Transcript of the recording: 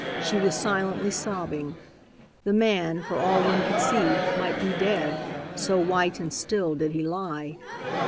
She was silently sobbing. The man, for all one could see, might be dead, so white and still did he lie.